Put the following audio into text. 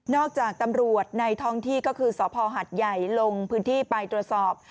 จากตำรวจในท้องที่ก็คือสภหัดใหญ่ลงพื้นที่ไปตรวจสอบ